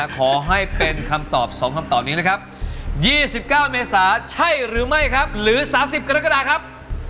ขอให้เป็นคำตอบ๒คำตอบนี้นะครับ๒๙เมษาใช่หรือไม่ครับหรือ๓๐กรกฎาครับ